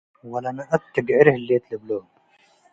ወለነአት ትግዕር ህሌት ልብሎ ።